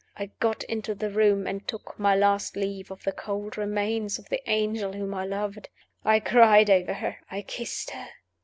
I got into the room, and took my last leave of the cold remains of the angel whom I loved. I cried over her. I kissed her.